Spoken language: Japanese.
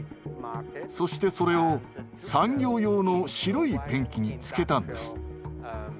そしてそれを産業用の白いペンキにつけたんです。